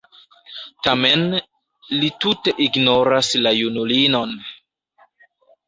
Tamen li tute ignoras la junulinon.